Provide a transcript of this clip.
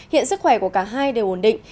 hiện sức khỏe của cả hai đều ổn định